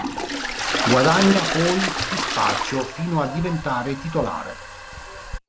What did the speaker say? Guadagna poi più spazio fino a diventare titolare.